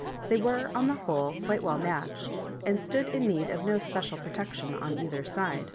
They were, on the whole^ quite well matched, and stood in need of no special protection on either side.